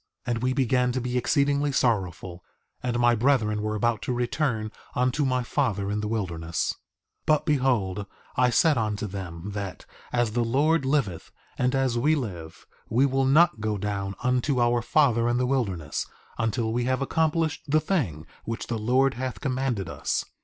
And we began to be exceedingly sorrowful, and my brethren were about to return unto my father in the wilderness. 3:15 But behold I said unto them that: As the Lord liveth, and as we live, we will not go down unto our father in the wilderness until we have accomplished the thing which the Lord hath commanded us.